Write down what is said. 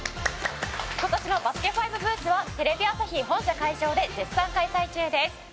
今年の「バスケ☆ＦＩＶＥ」ブースはテレビ朝日本社会場で絶賛開催中です！